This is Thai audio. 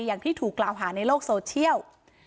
อย่างที่ถูกกล่าวหาในโลกโซเชียล